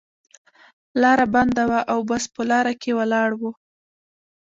لاره بنده وه او بس په لار کې ولاړ و.